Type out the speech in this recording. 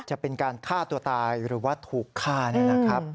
จะเป็นการฆ่าตัวตายหรือว่าถูกฆ่าเนี่ยนะครับ